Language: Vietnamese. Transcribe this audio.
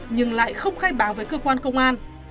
nhưng lại không khai báo với cơ quan công an